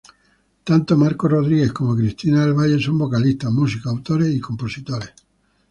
Tanto Marcos Rodríguez como Cristina del Valle son vocalistas, músicos, autores y compositores.